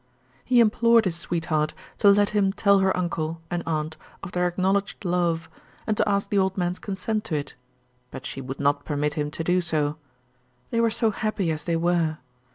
He implored his sweetheart to let him tell her uncle and aunt of their acknowledged love and to ask the old man's consent to it, but she would not permit him to do so. They were so happy as they were.